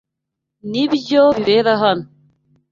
Nibyo bibera hano.